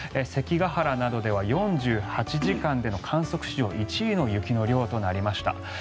関ケ原などでは４８時間での観測史上１位の雪の量となりました。